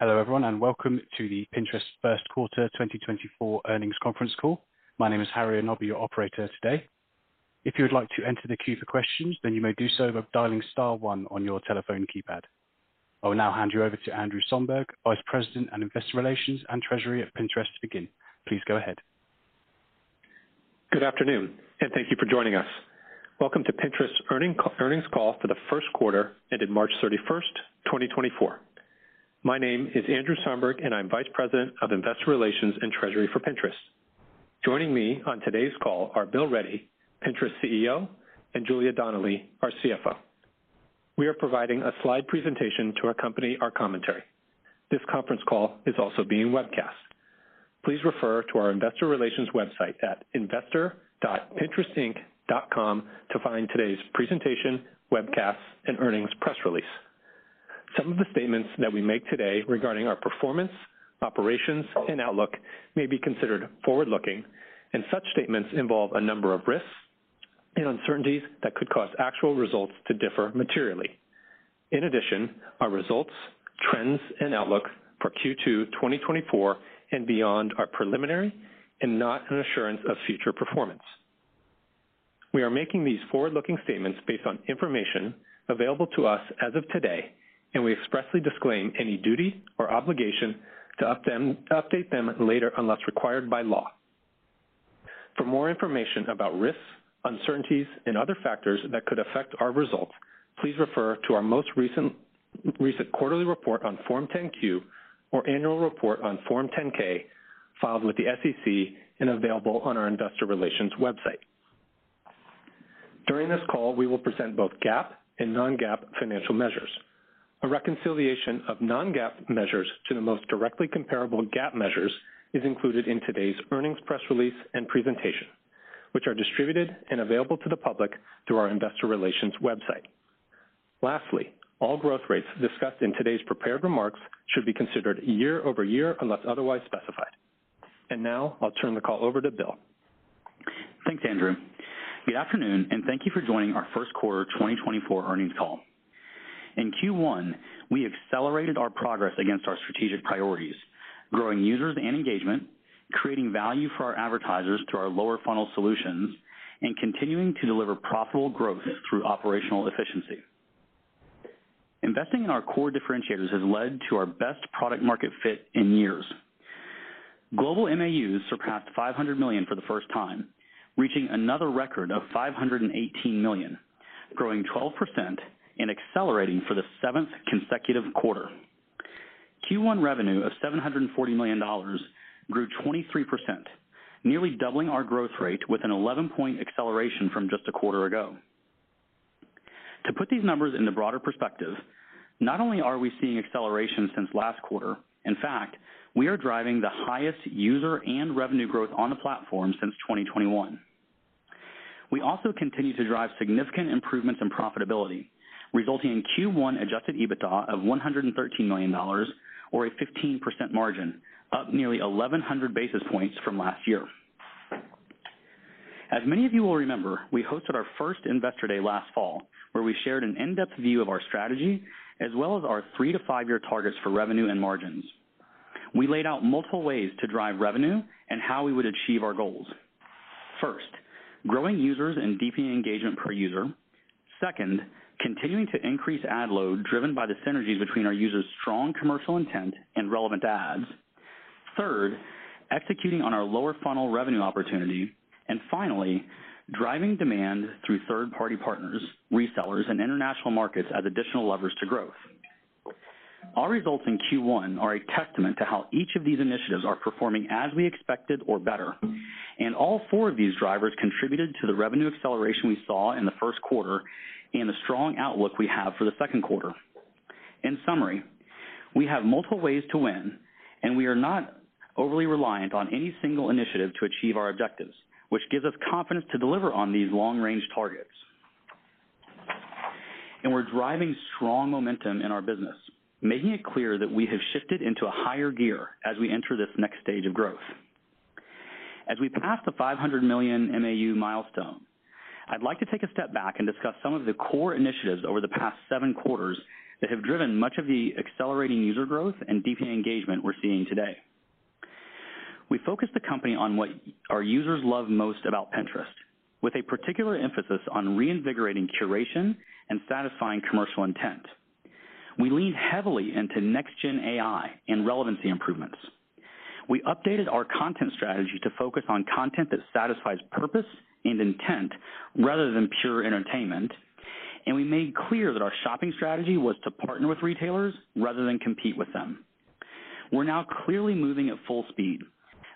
Hello, everyone, and welcome to the Pinterest first quarter 2024 earnings conference call. My name is Harry, and I'll be your operator today. If you would like to enter the queue for questions, then you may do so by dialing star one on your telephone keypad. I will now hand you over to Andrew Somberg, Vice President and Investor Relations and Treasury at Pinterest, to begin. Please go ahead. Good afternoon, and thank you for joining us. Welcome to Pinterest's earnings call for the first quarter that ended March 31, 2024. My name is Andrew Somberg, and I'm Vice President of Investor Relations and Treasury for Pinterest. Joining me on today's call are Bill Ready, Pinterest's CEO, and Julia Donnelly, our CFO. We are providing a slide presentation to accompany our commentary. This conference call is also being webcast. Please refer to our investor relations website at investor.pinterestinc.com to find today's presentation, webcasts, and earnings press release. Some of the statements that we make today regarding our performance, operations, and outlook may be considered forward-looking, and such statements involve a number of risks and uncertainties that could cause actual results to differ materially. In addition, our results, trends, and outlook for Q2 2024 and beyond are preliminary and not an assurance of future performance. We are making these forward-looking statements based on information available to us as of today, and we expressly disclaim any duty or obligation to update them later unless required by law. For more information about risks, uncertainties, and other factors that could affect our results, please refer to our most recent quarterly report on Form 10-Q or annual report on Form 10-K, filed with the SEC and available on our investor relations website. During this call, we will present both GAAP and non-GAAP financial measures. A reconciliation of non-GAAP measures to the most directly comparable GAAP measures is included in today's earnings press release and presentation, which are distributed and available to the public through our investor relations website. Lastly, all growth rates discussed in today's prepared remarks should be considered year-over-year, unless otherwise specified. Now I'll turn the call over to Bill. Thanks, Andrew. Good afternoon, and thank you for joining our first quarter 2024 earnings call. In Q1, we accelerated our progress against our strategic priorities, growing users and engagement, creating value for our advertisers through our lower funnel solutions, and continuing to deliver profitable growth through operational efficiency. Investing in our core differentiators has led to our best product market fit in years. Global MAUs surpassed 500 million for the first time, reaching another record of 518 million, growing 12% and accelerating for the seventh consecutive quarter. Q1 revenue of $740 million grew 23%, nearly doubling our growth rate with an 11-point acceleration from just a quarter ago. To put these numbers into broader perspective, not only are we seeing acceleration since last quarter, in fact, we are driving the highest user and revenue growth on the platform since 2021. We also continue to drive significant improvements in profitability, resulting in Q1 Adjusted EBITDA of $113 million, or a 15% margin, up nearly 1,100 basis points from last year. As many of you will remember, we hosted our first Investor Day last fall, where we shared an in-depth view of our strategy, as well as our 3 to 5 year targets for revenue and margins. We laid out multiple ways to drive revenue and how we would achieve our goals. First, growing users and deepening engagement per user. Second, continuing to increase ad load, driven by the synergies between our users' strong commercial intent and relevant ads. Third, executing on our lower funnel revenue opportunity. And finally, driving demand through third-party partners, resellers, and international markets as additional levers to growth. Our results in Q1 are a testament to how each of these initiatives are performing as we expected or better, and all four of these drivers contributed to the revenue acceleration we saw in the first quarter and the strong outlook we have for the second quarter. In summary, we have multiple ways to win, and we are not overly reliant on any single initiative to achieve our objectives, which gives us confidence to deliver on these long-range targets. And we're driving strong momentum in our business, making it clear that we have shifted into a higher gear as we enter this next stage of growth. As we pass the 500 million MAU milestone, I'd like to take a step back and discuss some of the core initiatives over the past 7 quarters that have driven much of the accelerating user growth and deepening engagement we're seeing today. We focused the company on what our users love most about Pinterest, with a particular emphasis on reinvigorating curation and satisfying commercial intent. We leaned heavily into next-gen AI and relevancy improvements. We updated our content strategy to focus on content that satisfies purpose and intent rather than pure entertainment, and we made clear that our shopping strategy was to partner with retailers rather than compete with them. We're now clearly moving at full speed,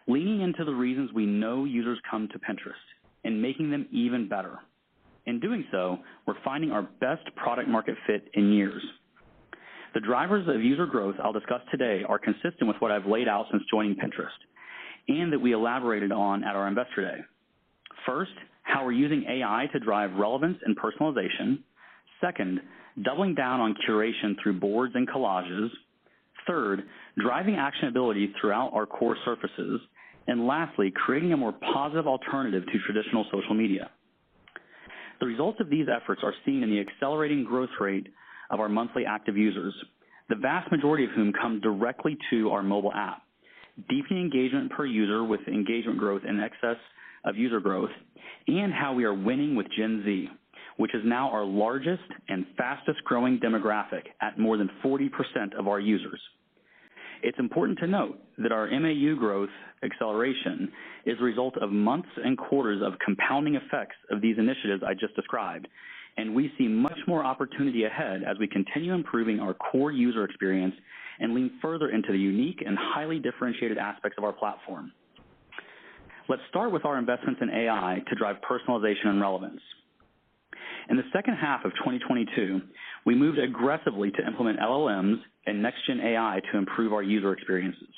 leaning into the reasons we know users come to Pinterest and making them even better. In doing so, we're finding our best product market fit in years. The drivers of user growth I'll discuss today are consistent with what I've laid out since joining Pinterest, and that we elaborated on at our Investor Day. First, how we're using AI to drive relevance and personalization. Second, doubling down on curation through boards and collages. Third, driving actionability throughout our core surfaces. And lastly, creating a more positive alternative to traditional social media. The results of these efforts are seen in the accelerating growth rate of our monthly active users, the vast majority of whom come directly to our mobile app, deepening engagement per user with engagement growth in excess of user growth, and how we are winning with Gen Z, which is now our largest and fastest growing demographic at more than 40% of our users. It's important to note that our MAU growth acceleration is a result of months and quarters of compounding effects of these initiatives I just described, and we see much more opportunity ahead as we continue improving our core user experience and lean further into the unique and highly differentiated aspects of our platform. Let's start with our investments in AI to drive personalization and relevance. In the second half of 2022, we moved aggressively to implement LLMs and Next-gen AI to improve our user experiences.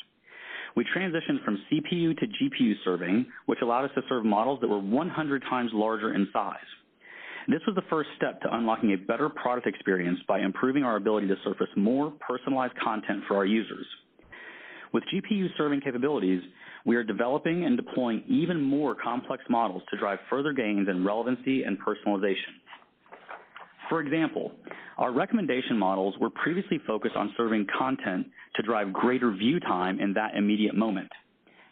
We transitioned from CPU to GPU serving, which allowed us to serve models that were 100 times larger in size. This was the first step to unlocking a better product experience by improving our ability to surface more personalized content for our users. With GPU serving capabilities, we are developing and deploying even more complex models to drive further gains in relevancy and personalization. For example, our recommendation models were previously focused on serving content to drive greater view time in that immediate moment.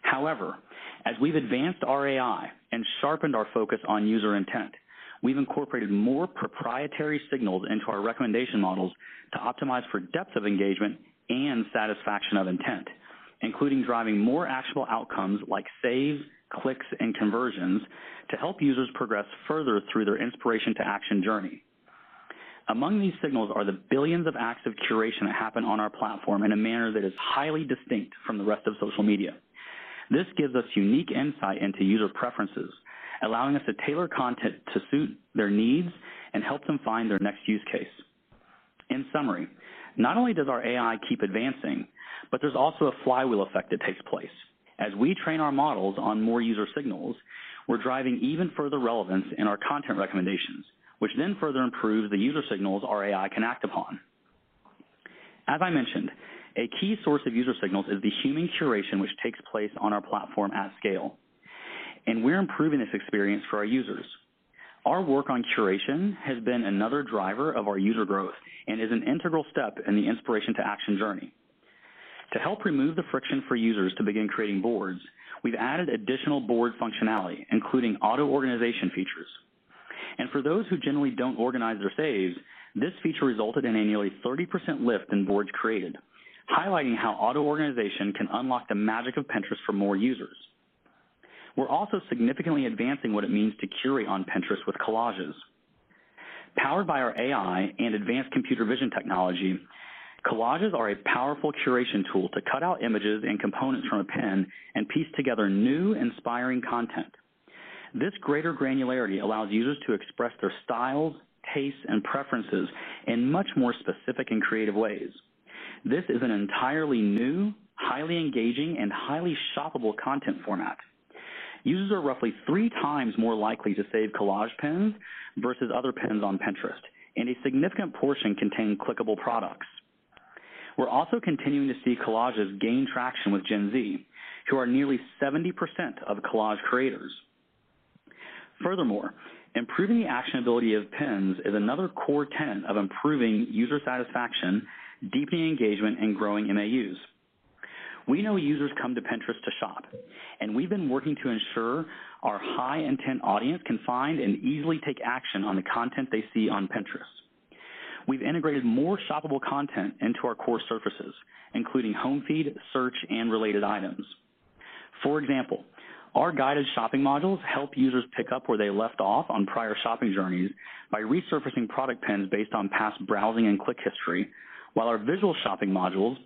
However, as we've advanced our AI and sharpened our focus on user intent, we've incorporated more proprietary signals into our recommendation models to optimize for depth of engagement and satisfaction of intent, including driving more actual outcomes like saves, clicks, and conversions to help users progress further through their inspiration-to-action journey. Among these signals are the billions of acts of curation that happen on our platform in a manner that is highly distinct from the rest of social media. This gives us unique insight into user preferences, allowing us to tailor content to suit their needs and help them find their next use case. In summary, not only does our AI keep advancing, but there's also a flywheel effect that takes place. As we train our models on more user signals, we're driving even further relevance in our content recommendations, which then further improves the user signals our AI can act upon. As I mentioned, a key source of user signals is the human curation, which takes place on our platform at scale, and we're improving this experience for our users. Our work on curation has been another driver of our user growth and is an integral step in the inspiration-to-action journey. To help remove the friction for users to begin creating boards, we've added additional board functionality, including auto-organization features. For those who generally don't organize their saves, this feature resulted in a nearly 30% lift in boards created, highlighting how auto-organization can unlock the magic of Pinterest for more users. We're also significantly advancing what it means to curate on Pinterest with Collages. Powered by our AI and advanced computer vision technology, Collages are a powerful curation tool to cut out images and components from a pin and piece together new, inspiring content. This greater granularity allows users to express their styles, tastes, and preferences in much more specific and creative ways. This is an entirely new, highly engaging, and highly shoppable content format. Users are roughly three times more likely to save collage pins versus other pins on Pinterest, and a significant portion contain clickable products. We're also continuing to see collages gain traction with Gen Z, who are nearly 70% of collage creators. Furthermore, improving the actionability of pins is another core tenet of improving user satisfaction, deepening engagement, and growing MAUs. We know users come to Pinterest to shop, and we've been working to ensure our high-intent audience can find and easily take action on the content they see on Pinterest. We've integrated more shoppable content into our core surfaces, including home feed, search, and related items. For example, our guided shopping modules help users pick up where they left off on prior shopping journeys by resurfacing product pins based on past browsing and click history, while our visual shopping modules,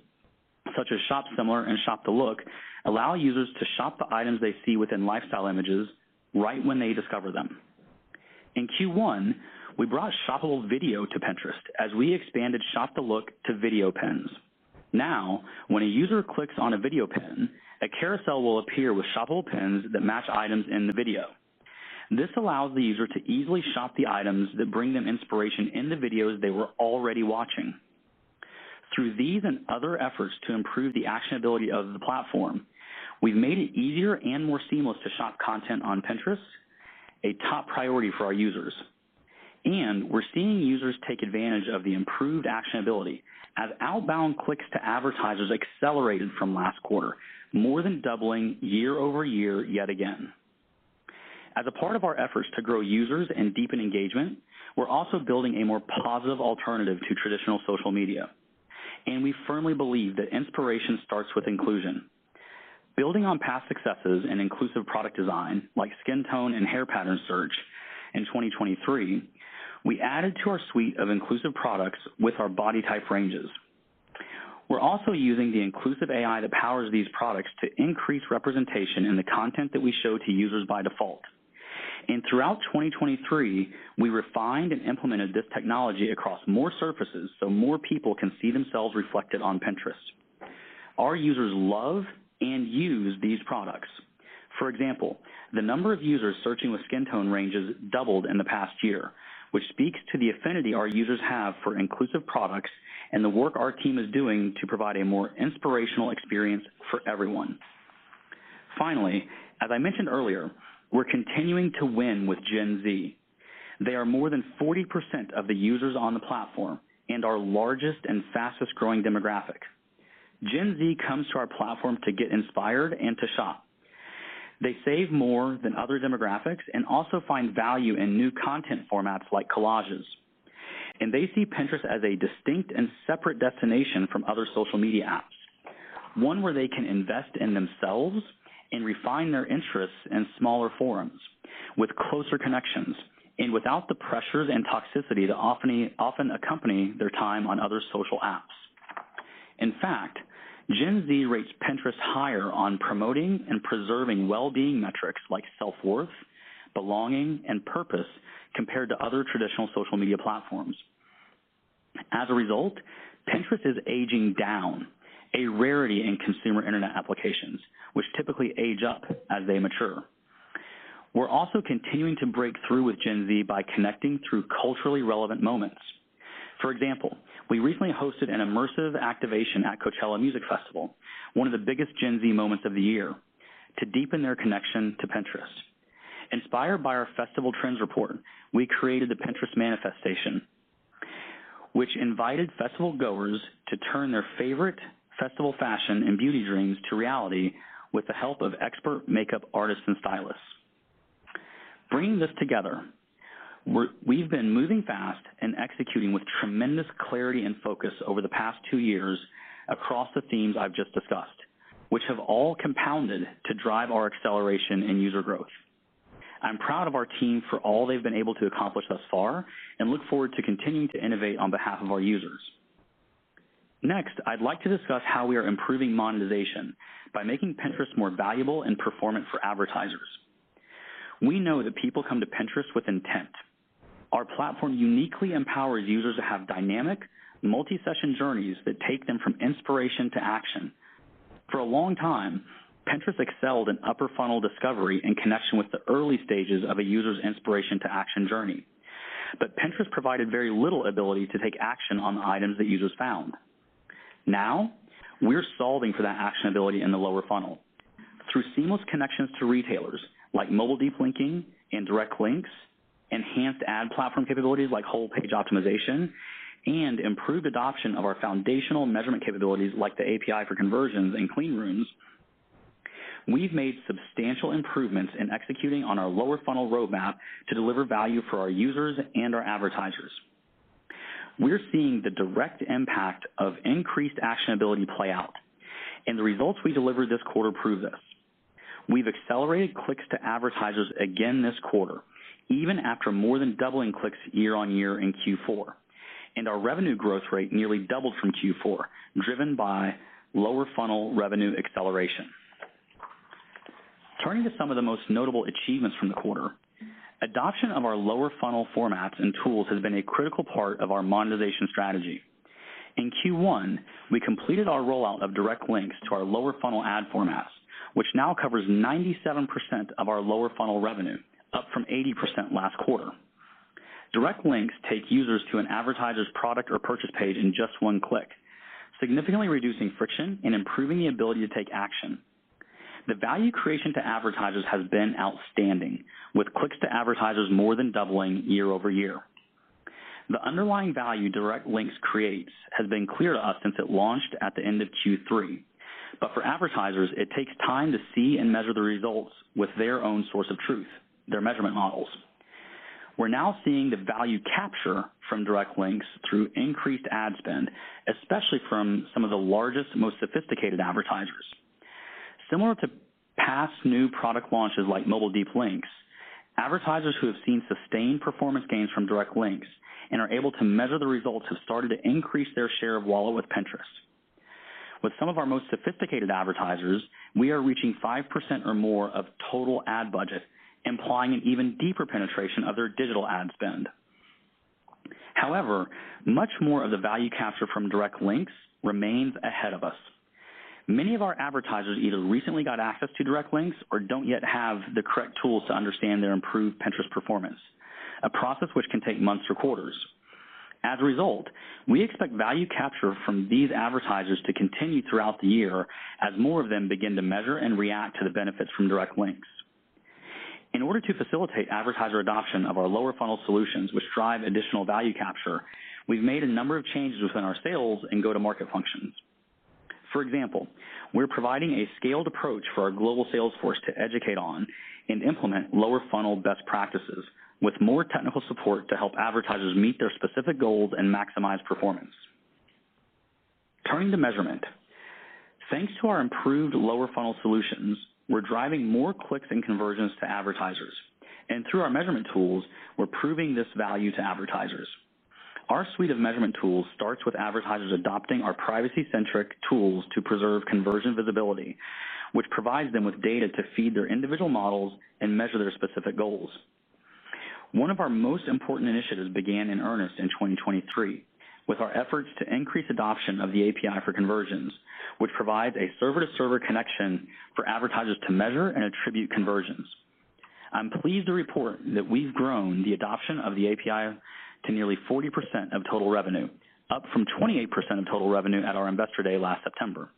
such as Shop Similar and Shop a Look, allow users to shop the items they see within lifestyle images right when they discover them. In Q1, we brought shoppable video to Pinterest as we expanded Shop a Look to video pins. Now, when a user clicks on a video pin, a carousel will appear with shoppable pins that match items in the video. This allows the user to easily shop the items that bring them inspiration in the videos they were already watching. Through these and other efforts to improve the actionability of the platform, we've made it easier and more seamless to shop content on Pinterest, a top priority for our users. We're seeing users take advantage of the improved actionability as outbound clicks to advertisers accelerated from last quarter, more than doubling year-over-year yet again. As a part of our efforts to grow users and deepen engagement, we're also building a more positive alternative to traditional social media, and we firmly believe that inspiration starts with inclusion. Building on past successes and inclusive product design, like skin tone and hair pattern search in 2023, we added to our suite of inclusive products with our body type ranges. We're also using the inclusive AI that powers these products to increase representation in the content that we show to users by default. Throughout 2023, we refined and implemented this technology across more surfaces so more people can see themselves reflected on Pinterest. Our users love and use these products. For example, the number of users searching with skin tone ranges doubled in the past year, which speaks to the affinity our users have for inclusive products and the work our team is doing to provide a more inspirational experience for everyone.... Finally, as I mentioned earlier, we're continuing to win with Gen Z. They are more than 40% of the users on the platform and our largest and fastest growing demographic. Gen Z comes to our platform to get inspired and to shop. They save more than other demographics and also find value in new content formats like collages. They see Pinterest as a distinct and separate destination from other social media apps, one where they can invest in themselves and refine their interests in smaller forums with closer connections and without the pressures and toxicity that often accompany their time on other social apps. In fact, Gen Z rates Pinterest higher on promoting and preserving well-being metrics like self-worth, belonging, and purpose compared to other traditional social media platforms. As a result, Pinterest is aging down, a rarity in consumer internet applications, which typically age up as they mature. We're also continuing to break through with Gen Z by connecting through culturally relevant moments. For example, we recently hosted an immersive activation at Coachella Music Festival, one of the biggest Gen Z moments of the year, to deepen their connection to Pinterest. Inspired by our festival trends report, we created the Pinterest Manifest Station, which invited festival goers to turn their favorite festival fashion and beauty dreams to reality with the help of expert makeup artists and stylists. Bringing this together, we've been moving fast and executing with tremendous clarity and focus over the past two years across the themes I've just discussed, which have all compounded to drive our acceleration in user growth. I'm proud of our team for all they've been able to accomplish thus far and look forward to continuing to innovate on behalf of our users. Next, I'd like to discuss how we are improving monetization by making Pinterest more valuable and performant for advertisers. We know that people come to Pinterest with intent. Our platform uniquely empowers users to have dynamic, multi-session journeys that take them from inspiration to action. For a long time, Pinterest excelled in upper funnel discovery in connection with the early stages of a user's inspiration to action journey. But Pinterest provided very little ability to take action on the items that users found. Now, we're solving for that actionability in the lower funnel. Through seamless connections to retailers, like mobile Deep Linking and Direct Links, enhanced ad platform capabilities like whole page optimization, and improved adoption of our foundational measurement capabilities like the API for Conversions and clean rooms, we've made substantial improvements in executing on our lower funnel roadmap to deliver value for our users and our advertisers. We're seeing the direct impact of increased actionability play out, and the results we delivered this quarter prove this. We've accelerated clicks to advertisers again this quarter, even after more than doubling clicks year-over-year in Q4. Our revenue growth rate nearly doubled from Q4, driven by lower funnel revenue acceleration. Turning to some of the most notable achievements from the quarter, adoption of our lower funnel formats and tools has been a critical part of our monetization strategy. In Q1, we completed our rollout of Direct Links to our lower funnel ad formats, which now covers 97% of our lower funnel revenue, up from 80% last quarter. Direct Links take users to an advertiser's product or purchase page in just 1 click, significantly reducing friction and improving the ability to take action. The value creation to advertisers has been outstanding, with clicks to advertisers more than doubling year-over-year. The underlying value Direct Links creates has been clear to us since it launched at the end of Q3, but for advertisers, it takes time to see and measure the results with their own source of truth, their measurement models. We're now seeing the value capture from Direct Links through increased ad spend, especially from some of the largest, most sophisticated advertisers. Similar to past new product launches like mobile Deep Linking, advertisers who have seen sustained performance gains from Direct Links and are able to measure the results have started to increase their share of wallet with Pinterest. With some of our most sophisticated advertisers, we are reaching 5% or more of total ad budget, implying an even deeper penetration of their digital ad spend. However, much more of the value capture from Direct Links remains ahead of us. Many of our advertisers either recently got access to Direct Links or don't yet have the correct tools to understand their improved Pinterest performance, a process which can take months or quarters. As a result, we expect value capture from these advertisers to continue throughout the year as more of them begin to measure and react to the benefits from direct links. In order to facilitate advertiser adoption of our lower funnel solutions, which drive additional value capture, we've made a number of changes within our sales and go-to-market functions. For example, we're providing a scaled approach for our global sales force to educate on and implement lower funnel best practices, with more technical support to help advertisers meet their specific goals and maximize performance. Turning to measurement. Thanks to our improved lower funnel solutions, we're driving more clicks and conversions to advertisers, and through our measurement tools, we're proving this value to advertisers. Our suite of measurement tools starts with advertisers adopting our privacy-centric tools to preserve conversion visibility, which provides them with data to feed their individual models and measure their specific goals. One of our most important initiatives began in earnest in 2023, with our efforts to increase adoption of the API for Conversions, which provides a server-to-server connection for advertisers to measure and attribute conversions. I'm pleased to report that we've grown the adoption of the API to nearly 40% of total revenue, up from 28% of total revenue at our Investor Day last September.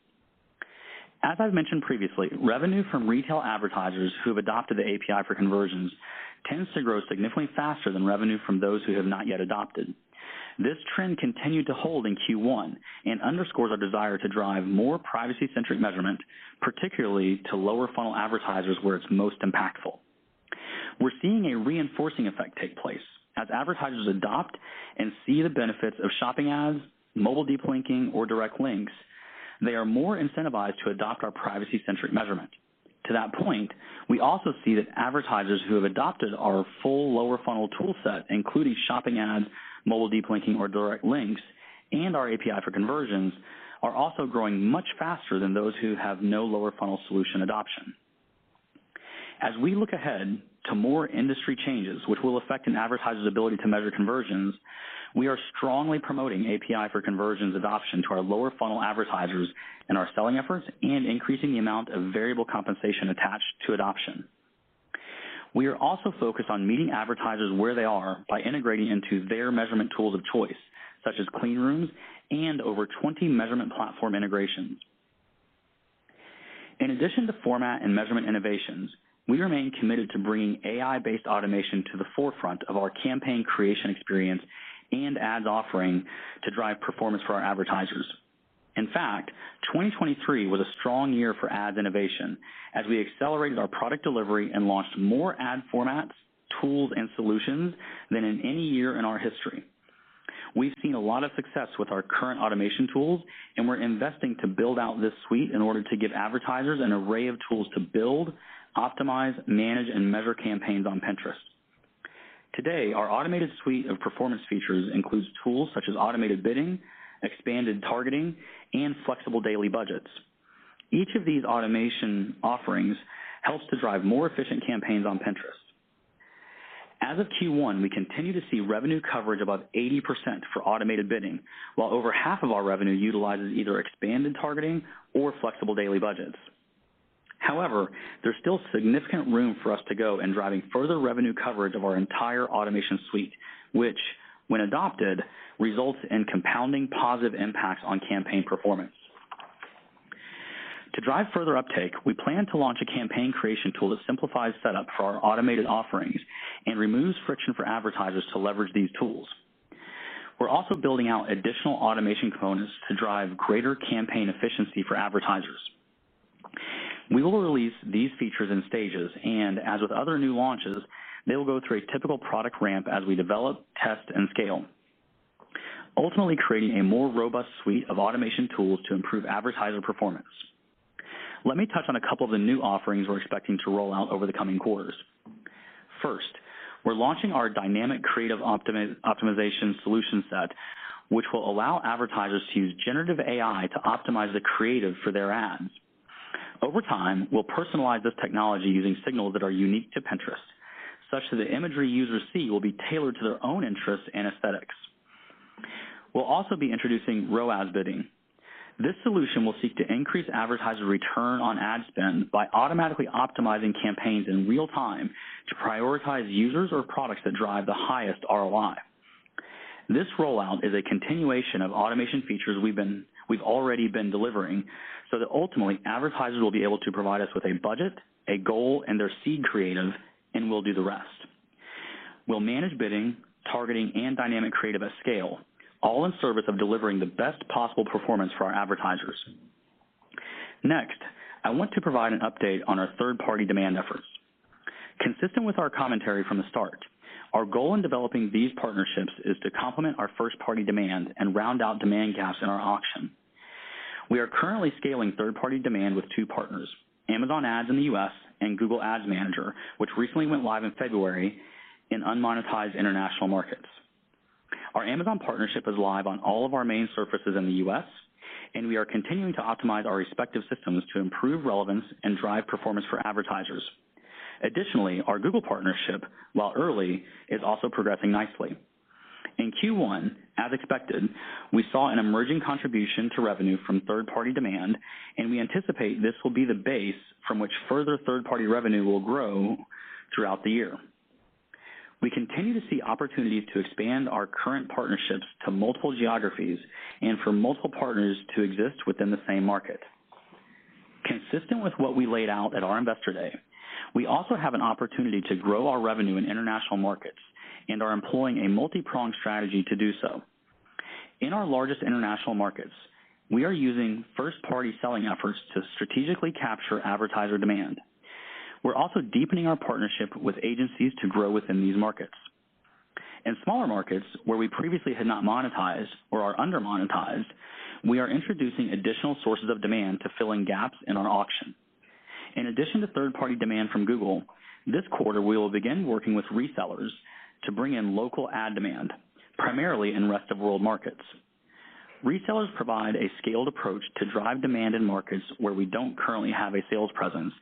As I've mentioned previously, revenue from retail advertisers who have adopted the API for Conversions tends to grow significantly faster than revenue from those who have not yet adopted. This trend continued to hold in Q1 and underscores our desire to drive more privacy-centric measurement, particularly to lower funnel advertisers, where it's most impactful. We're seeing a reinforcing effect take place. As advertisers adopt and see the benefits of Shopping Ads, Mobile Deep Linking, or Direct Links, they are more incentivized to adopt our privacy-centric measurement. To that point, we also see that advertisers who have adopted our full lower funnel tool set, including shopping ads, mobile Deep Linking or Direct Links, and our API for Conversions, are also growing much faster than those who have no lower funnel solution adoption. As we look ahead to more industry changes, which will affect an advertiser's ability to measure conversions, we are strongly promoting API for Conversions adoption to our lower funnel advertisers in our selling efforts and increasing the amount of variable compensation attached to adoption. We are also focused on meeting advertisers where they are by integrating into their measurement tools of choice, such as clean rooms and over 20 measurement platform integrations. In addition to format and measurement innovations, we remain committed to bringing AI-based automation to the forefront of our campaign creation experience and ads offering to drive performance for our advertisers. In fact, 2023 was a strong year for ads innovation as we accelerated our product delivery and launched more ad formats, tools, and solutions than in any year in our history. We've seen a lot of success with our current automation tools, and we're investing to build out this suite in order to give advertisers an array of tools to build, optimize, manage, and measure campaigns on Pinterest. Today, our automated suite of performance features includes tools such as automated bidding, expanded targeting, and flexible daily budgets. Each of these automation offerings helps to drive more efficient campaigns on Pinterest. As of Q1, we continue to see revenue coverage above 80% for automated bidding, while over half of our revenue utilizes either expanded targeting or flexible daily budgets. However, there's still significant room for us to go in driving further revenue coverage of our entire automation suite, which, when adopted, results in compounding positive impacts on campaign performance. To drive further uptake, we plan to launch a campaign creation tool that simplifies setup for our automated offerings and removes friction for advertisers to leverage these tools. We're also building out additional automation components to drive greater campaign efficiency for advertisers. We will release these features in stages, and as with other new launches, they will go through a typical product ramp as we develop, test, and scale, ultimately creating a more robust suite of automation tools to improve advertiser performance. Let me touch on a couple of the new offerings we're expecting to roll out over the coming quarters. First, we're launching our dynamic creative optimization solution set, which will allow advertisers to use generative AI to optimize the creative for their ads. Over time, we'll personalize this technology using signals that are unique to Pinterest, such that the imagery users see will be tailored to their own interests and aesthetics. We'll also be introducing ROAS bidding. This solution will seek to increase advertiser return on ad spend by automatically optimizing campaigns in real time to prioritize users or products that drive the highest ROI. This rollout is a continuation of automation features we've already been delivering, so that ultimately, advertisers will be able to provide us with a budget, a goal, and their seed creative, and we'll do the rest. We'll manage bidding, targeting, and dynamic creative at scale, all in service of delivering the best possible performance for our advertisers. Next, I want to provide an update on our third-party demand efforts. Consistent with our commentary from the start, our goal in developing these partnerships is to complement our first-party demand and round out demand gaps in our auction. We are currently scaling third-party demand with two partners, Amazon Ads in the U.S. and Google Ad Manager, which recently went live in February in unmonetized international markets. Our Amazon partnership is live on all of our main surfaces in the U.S, and we are continuing to optimize our respective systems to improve relevance and drive performance for advertisers. Additionally, our Google partnership, while early, is also progressing nicely. In Q1, as expected, we saw an emerging contribution to revenue from third-party demand, and we anticipate this will be the base from which further third-party revenue will grow throughout the year. We continue to see opportunities to expand our current partnerships to multiple geographies and for multiple partners to exist within the same market. Consistent with what we laid out at our Investor Day, we also have an opportunity to grow our revenue in international markets and are employing a multipronged strategy to do so. In our largest international markets, we are using first-party selling efforts to strategically capture advertiser demand. We're also deepening our partnership with agencies to grow within these markets. In smaller markets, where we previously had not monetized or are under-monetized, we are introducing additional sources of demand to fill in gaps in our auction. In addition to third-party demand from Google, this quarter, we will begin working with resellers to bring in local ad demand, primarily in rest-of-world markets. Resellers provide a scaled approach to drive demand in markets where we don't currently have a sales presence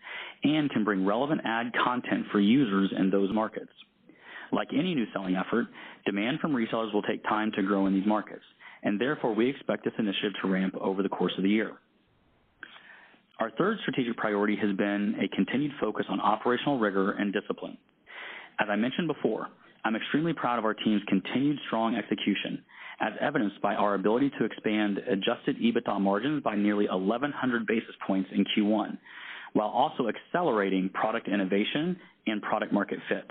and can bring relevant ad content for users in those markets. Like any new selling effort, demand from resellers will take time to grow in these markets, and therefore, we expect this initiative to ramp over the course of the year. Our third strategic priority has been a continued focus on operational rigor and discipline. As I mentioned before, I'm extremely proud of our team's continued strong execution, as evidenced by our ability to expand Adjusted EBITDA margins by nearly 1,100 basis points in Q1, while also accelerating product innovation and product market fit.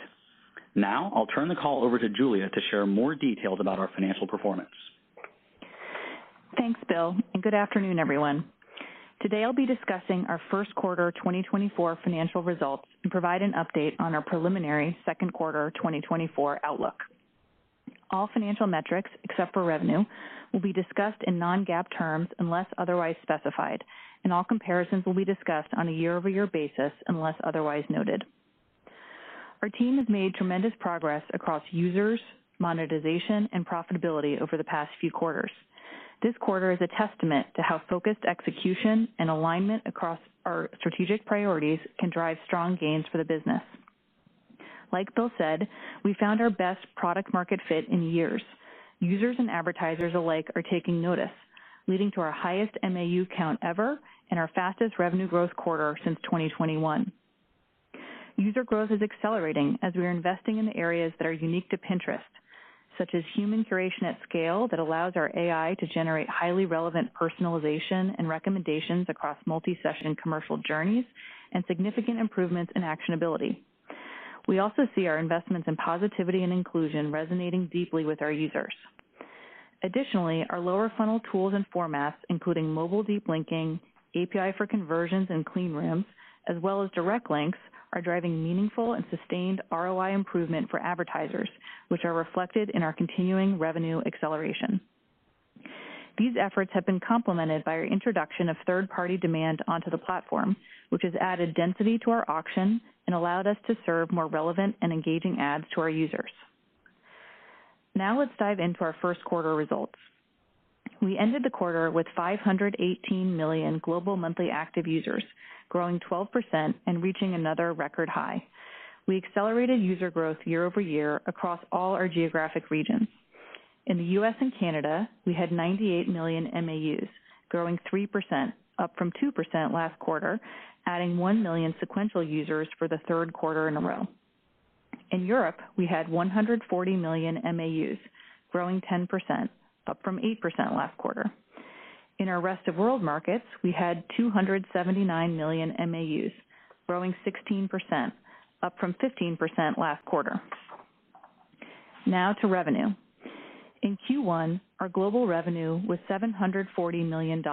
Now, I'll turn the call over to Julia to share more details about our financial performance. Thanks, Bill, and good afternoon, everyone. Today, I'll be discussing our first quarter 2024 financial results and provide an update on our preliminary second quarter 2024 outlook. All financial metrics, except for revenue, will be discussed in non-GAAP terms unless otherwise specified, and all comparisons will be discussed on a year-over-year basis unless otherwise noted. Our team has made tremendous progress across users, monetization, and profitability over the past few quarters. This quarter is a testament to how focused execution and alignment across our strategic priorities can drive strong gains for the business. Like Bill said, we found our best product market fit in years. Users and advertisers alike are taking notice, leading to our highest MAU count ever and our fastest revenue growth quarter since 2021. User growth is accelerating as we are investing in the areas that are unique to Pinterest, such as human curation at scale that allows our AI to generate highly relevant personalization and recommendations across multi-session commercial journeys and significant improvements in actionability. We also see our investments in positivity and inclusion resonating deeply with our users. Additionally, our lower funnel tools and formats, including mobile deep linking, API for Conversions and clean rooms, as well as Direct Links, are driving meaningful and sustained ROI improvement for advertisers, which are reflected in our continuing revenue acceleration. These efforts have been complemented by our introduction of third-party demand onto the platform, which has added density to our auction and allowed us to serve more relevant and engaging ads to our users. Now let's dive into our first quarter results. We ended the quarter with 518 million global monthly active users, growing 12% and reaching another record high. We accelerated user growth year-over-year across all our geographic regions. In the U.S. and Canada, we had 98 million MAUs, growing 3%, up from 2% last quarter, adding 1 million sequential users for the third quarter in a row. In Europe, we had 140 million MAUs, growing 10%, up from 8% last quarter. In our rest of world markets, we had 279 million MAUs, growing 16%, up from 15% last quarter. Now to revenue. In Q1, our global revenue was $740 million,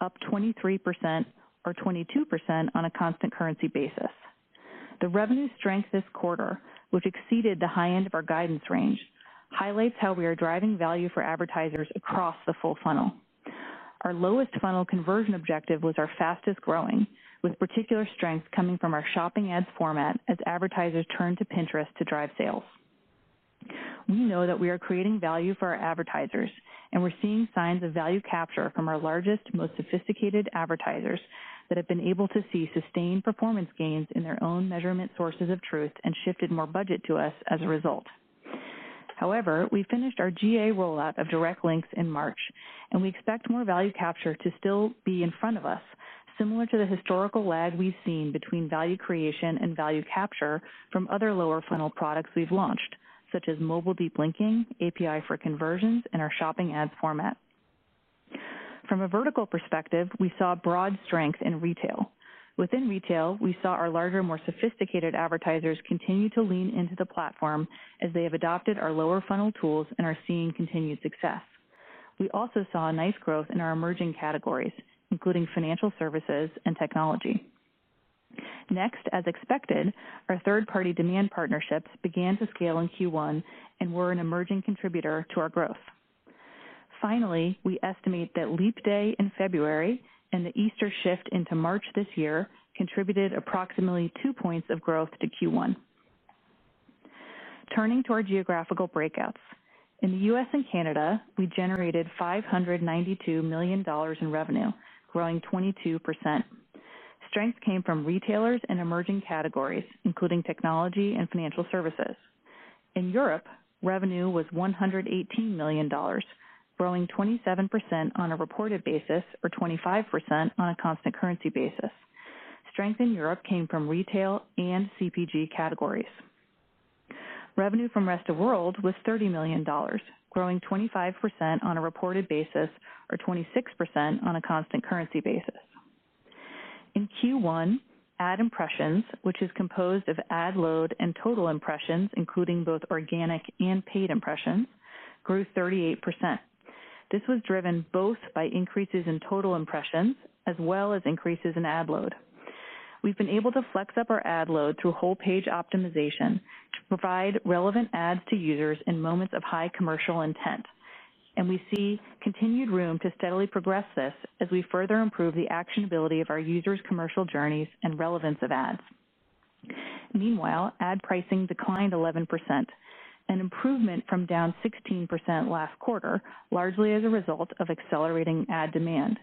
up 23% or 22% on a constant currency basis. The revenue strength this quarter, which exceeded the high end of our guidance range, highlights how we are driving value for advertisers across the full funnel. Our lower funnel conversion objective was our fastest growing, with particular strength coming from our shopping ads format as advertisers turn to Pinterest to drive sales. We know that we are creating value for our advertisers, and we're seeing signs of value capture from our largest, most sophisticated advertisers that have been able to see sustained performance gains in their own measurement sources of truth and shifted more budget to us as a result. However, we finished our GA rollout of Direct Links in March, and we expect more value capture to still be in front of us, similar to the historical lag we've seen between value creation and value capture from other lower funnel products we've launched, such as Mobile Deep Linking, API for Conversions, and our Shopping Ad format. From a vertical perspective, we saw broad strength in retail. Within retail, we saw our larger, more sophisticated advertisers continue to lean into the platform as they have adopted our lower funnel tools and are seeing continued success. We also saw a nice growth in our emerging categories, including financial services and technology. Next, as expected, our third-party demand partnerships began to scale in Q1 and were an emerging contributor to our growth. Finally, we estimate that Leap Day in February and the Easter shift into March this year contributed approximately two points of growth to Q1. Turning to our geographical breakouts. In the U.S. and Canada, we generated $592 million in revenue, growing 22%. Strength came from retailers and emerging categories, including technology and financial services. In Europe, revenue was $118 million, growing 27% on a reported basis or 25% on a constant currency basis. Strength in Europe came from retail and CPG categories. Revenue from rest of world was $30 million, growing 25% on a reported basis or 26% on a constant currency basis. In Q1, ad impressions, which is composed of ad load and total impressions, including both organic and paid impressions, grew 38%. This was driven both by increases in total impressions as well as increases in ad load. We've been able to flex up our ad load through whole page optimization to provide relevant ads to users in moments of high commercial intent, and we see continued room to steadily progress this as we further improve the actionability of our users' commercial journeys and relevance of ads. Meanwhile, ad pricing declined 11%, an improvement from down 16% last quarter, largely as a result of accelerating ad demand,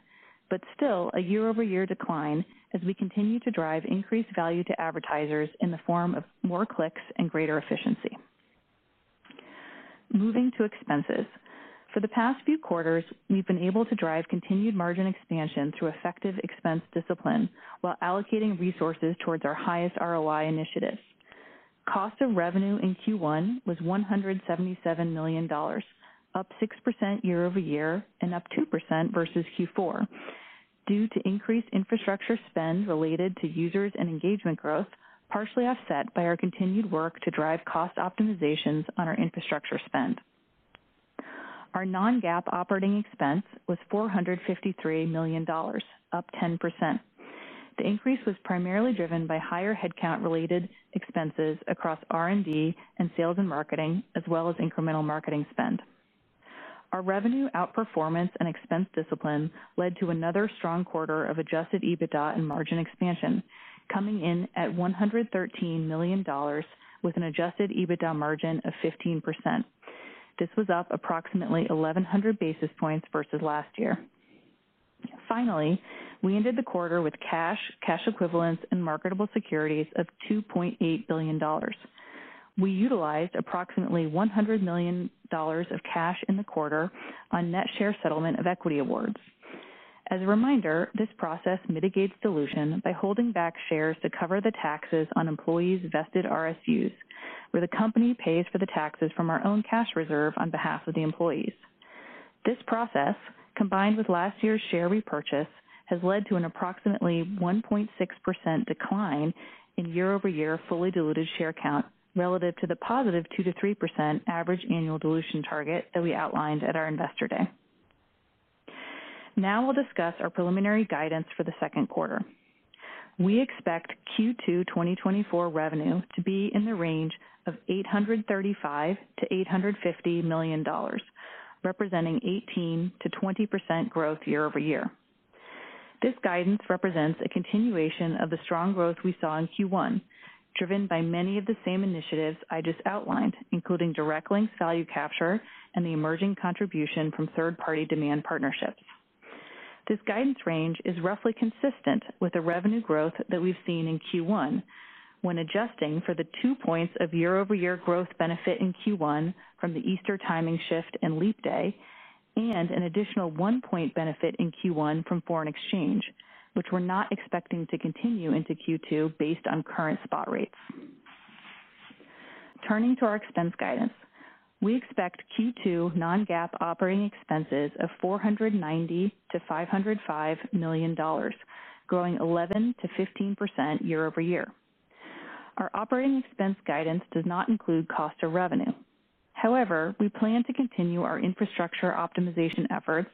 but still a year-over-year decline as we continue to drive increased value to advertisers in the form of more clicks and greater efficiency. Moving to expenses. For the past few quarters, we've been able to drive continued margin expansion through effective expense discipline, while allocating resources towards our highest ROI initiatives. Cost of revenue in Q1 was $177 million, up 6% year-over-year and up 2% versus Q4, due to increased infrastructure spend related to users and engagement growth, partially offset by our continued work to drive cost optimizations on our infrastructure spend. Our non-GAAP operating expense was $453 million, up 10%. The increase was primarily driven by higher headcount-related expenses across R&D and sales and marketing, as well as incremental marketing spend. Our revenue outperformance and expense discipline led to another strong quarter of Adjusted EBITDA and margin expansion, coming in at $113 million with an Adjusted EBITDA margin of 15%. This was up approximately 1,100 basis points versus last year. Finally, we ended the quarter with cash, cash equivalents, and marketable securities of $2.8 billion. We utilized approximately $100 million of cash in the quarter on net share settlement of equity awards. As a reminder, this process mitigates dilution by holding back shares to cover the taxes on employees' vested RSUs, where the company pays for the taxes from our own cash reserve on behalf of the employees. This process, combined with last year's share repurchase, has led to an approximately 1.6% decline in year-over-year fully diluted share count relative to the positive 2%-3% average annual dilution target that we outlined at our Investor Day. Now we'll discuss our preliminary guidance for the second quarter. We expect Q2 2024 revenue to be in the range of $835 million-$850 million, representing 18%-20% growth year over year. This guidance represents a continuation of the strong growth we saw in Q1, driven by many of the same initiatives I just outlined, including Direct Link value capture and the emerging contribution from third-party demand partnerships. This guidance range is roughly consistent with the revenue growth that we've seen in Q1 when adjusting for the two points of year-over-year growth benefit in Q1 from the Easter timing shift and Leap Day, and an additional one point benefit in Q1 from foreign exchange, which we're not expecting to continue into Q2 based on current spot rates. Turning to our expense guidance, we expect Q2 non-GAAP operating expenses of $490 million-$505 million, growing 11%-15% year-over-year. Our operating expense guidance does not include cost of revenue. However, we plan to continue our infrastructure optimization efforts,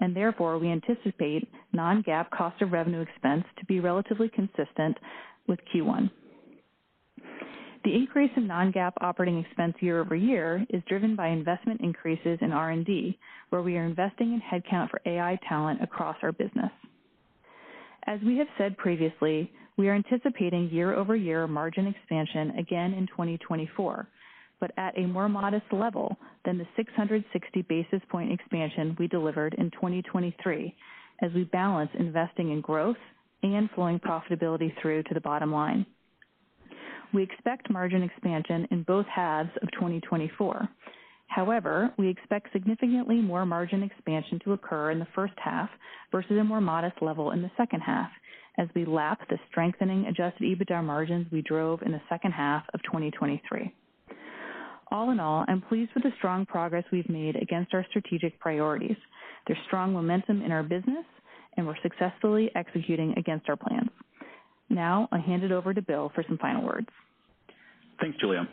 and therefore, we anticipate non-GAAP cost of revenue expense to be relatively consistent with Q1. The increase in non-GAAP operating expense year-over-year is driven by investment increases in R&D, where we are investing in headcount for AI talent across our business. As we have said previously, we are anticipating year-over-year margin expansion again in 2024, but at a more modest level than the 660 basis point expansion we delivered in 2023, as we balance investing in growth and flowing profitability through to the bottom line. We expect margin expansion in both halves of 2024. However, we expect significantly more margin expansion to occur in the first half versus a more modest level in the second half as we lap the strengthening Adjusted EBITDA margins we drove in the second half of 2023. All in all, I'm pleased with the strong progress we've made against our strategic priorities. There's strong momentum in our business, and we're successfully executing against our plan. Now, I'll hand it over to Bill for some final words. Thanks, Julia.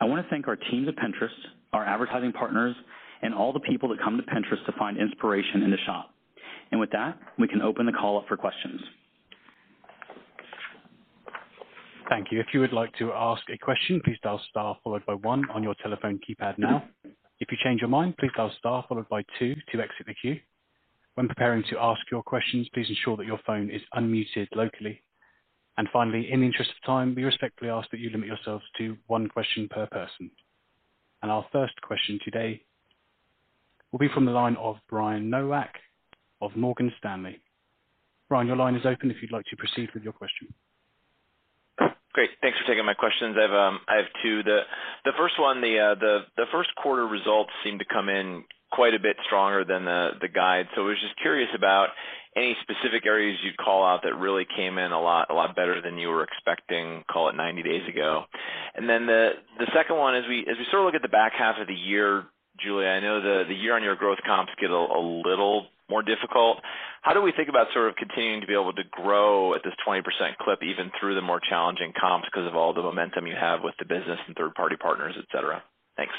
I want to thank our team at Pinterest, our advertising partners, and all the people that come to Pinterest to find inspiration in the shop. With that, we can open the call up for questions. Thank you. If you would like to ask a question, please dial star followed by one on your telephone keypad now. If you change your mind, please dial star followed by two to exit the queue. When preparing to ask your questions, please ensure that your phone is unmuted locally. Finally, in the interest of time, we respectfully ask that you limit yourselves to one question per person. Our first question today will be from the line of Brian Nowak of Morgan Stanley. Brian, your line is open if you'd like to proceed with your question. Great, thanks for taking my questions. I've, I have two. The first one, the first quarter results seem to come in quite a bit stronger than the guide. So I was just curious about any specific areas you'd call out that really came in a lot, a lot better than you were expecting, call it 90 days ago. And then the second one, as we sort of look at the back half of the year, Julia, I know the year-on-year growth comps get a little more difficult. How do we think about sort of continuing to be able to grow at this 20% clip, even through the more challenging comps because of all the momentum you have with the business and third-party partners, etc.? Thanks.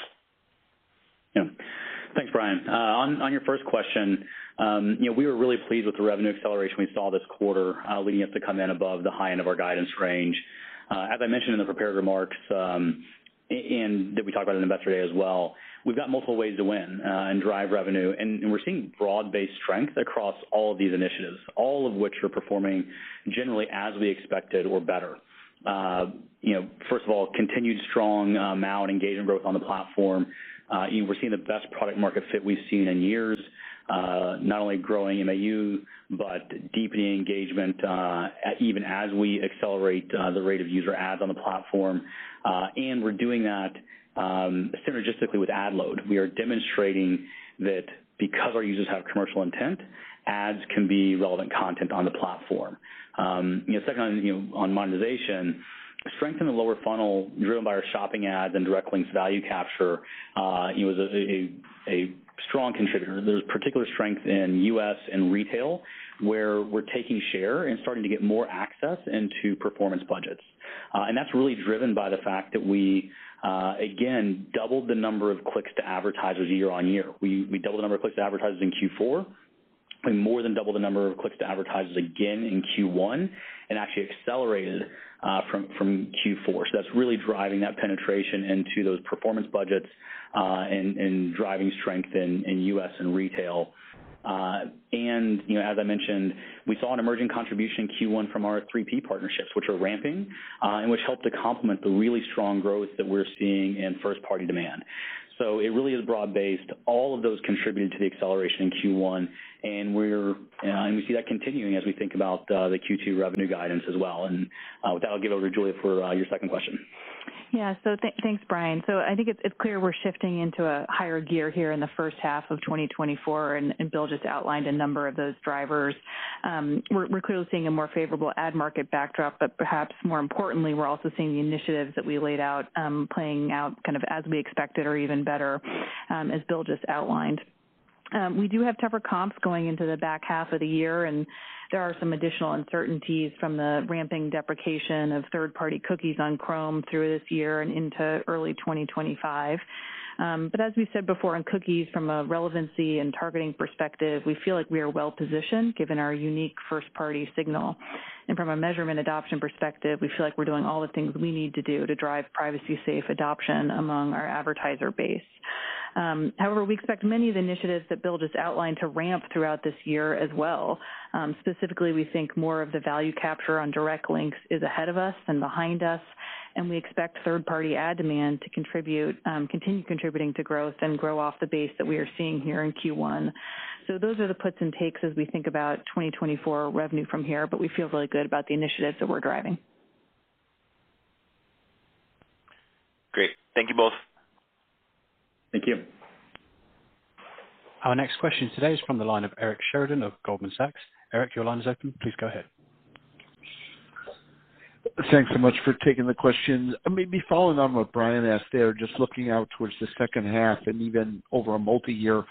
Yeah. Thanks, Brian. On your first question, you know, we were really pleased with the revenue acceleration we saw this quarter, leading us to come in above the high end of our guidance range. As I mentioned in the prepared remarks and that we talked about in Investor Day as well, we've got multiple ways to win and drive revenue, and we're seeing broad-based strength across all of these initiatives, all of which are performing generally as we expected or better. You know, first of all, continued strong MAU and engagement growth on the platform. We're seeing the best product market fit we've seen in years, not only growing MAU, but deepening engagement, even as we accelerate the rate of user ads on the platform. And we're doing that synergistically with ad load. We are demonstrating that because our users have commercial intent, ads can be relevant content on the platform. You know, second on, you know, on monetization, strength in the lower funnel, driven by our shopping ads and direct links value capture, it was a strong contributor. There's particular strength in U.S. and retail, where we're taking share and starting to get more access into performance budgets. And that's really driven by the fact that we, again, doubled the number of clicks to advertisers year-over-year. We doubled the number of clicks to advertisers in Q4, and more than doubled the number of clicks to advertisers again in Q1, and actually accelerated from Q4. So that's really driving that penetration into those performance budgets, and driving strength in U.S. and retail. And, you know, as I mentioned, we saw an emerging contribution in Q1 from our 3P partnerships, which are ramping, and which helped to complement the really strong growth that we're seeing in first-party demand. So it really is broad-based. All of those contributed to the acceleration in Q1, and we see that continuing as we think about the Q2 revenue guidance as well. And, with that, I'll get over to Julia for your second question. Yeah. So thanks, Brian. So I think it's clear we're shifting into a higher gear here in the first half of 2024, and Bill just outlined a number of those drivers. We're clearly seeing a more favorable ad market backdrop, but perhaps more importantly, we're also seeing the initiatives that we laid out, playing out kind of as we expected, or even better, as Bill just outlined. We do have tougher comps going into the back half of the year, and there are some additional uncertainties from the ramping deprecation of third-party cookies on Chrome through this year and into early 2025. But as we said before on cookies, from a relevancy and targeting perspective, we feel like we are well positioned, given our unique first-party signal. From a measurement adoption perspective, we feel like we're doing all the things we need to do to drive privacy safe adoption among our advertiser base. However, we expect many of the initiatives that Bill just outlined to ramp throughout this year as well. Specifically, we think more of the value capture on direct links is ahead of us than behind us, and we expect third-party ad demand to contribute, continue contributing to growth and grow off the base that we are seeing here in Q1. So those are the puts and takes as we think about 2024 revenue from here, but we feel really good about the initiatives that we're driving. Great. Thank you both. Thank you. Our next question today is from the line of Eric Sheridan of Goldman Sachs. Eric, your line is open. Please go ahead. Thanks so much for taking the question. I may be following on what Brian asked there, just looking out towards the second half and even over a multiyear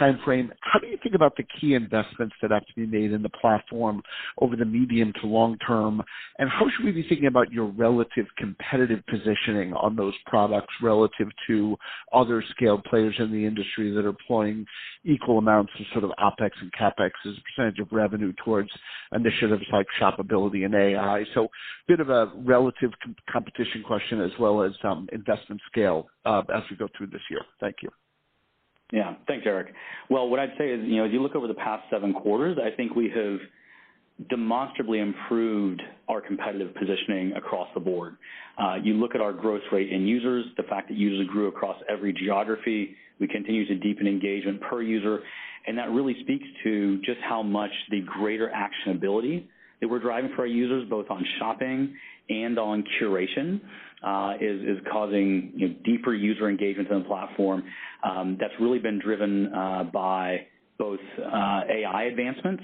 timeframe, how do you think about the key investments that have to be made in the platform over the medium to long term? And how should we be thinking about your relative competitive positioning on those products relative to other scaled players in the industry that are deploying equal amounts of sort of OpEx and CapEx as a percentage of revenue towards initiatives like shoppability and AI? So bit of a relative competition question as well as, investment scale, as we go through this year. Thank you. Yeah. Thanks, Eric. Well, what I'd say is, you know, as you look over the past seven quarters, I think we have demonstrably improved our competitive positioning across the board. You look at our growth rate in users, the fact that users grew across every geography, we continue to deepen engagement per user. And that really speaks to just how much the greater actionability that we're driving for our users, both on shopping and on curation, is causing, you know, deeper user engagement on the platform. That's really been driven by both AI advancements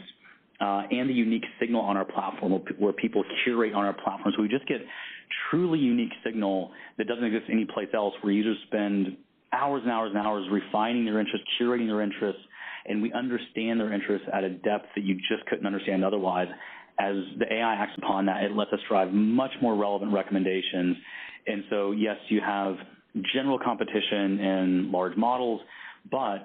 and the unique signal on our platform, where people curate on our platform. So we just get truly unique signal that doesn't exist anyplace else, where users spend hours and hours and hours refining their interests, curating their interests, and we understand their interests at a depth that you just couldn't understand otherwise. As the AI acts upon that, it lets us drive much more relevant recommendations. And so, yes, you have general competition in large models, but